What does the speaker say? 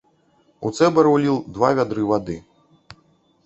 У цэбар уліў два вядры вады.